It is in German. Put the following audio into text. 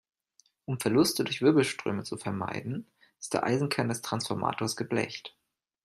Um Verluste durch Wirbelströme zu vermeiden, ist der Eisenkern des Transformators geblecht.